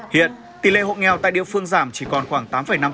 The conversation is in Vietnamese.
hiện tỷ lệ hộ nghèo tại địa phương giảm chỉ còn khoảng tám năm